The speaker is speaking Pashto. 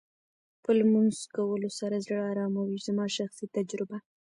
په لمونځ کولو سره زړه ارامه وې زما شخصي تجربه.